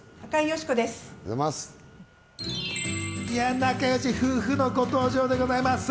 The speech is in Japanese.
仲良し夫婦のご登場でございます。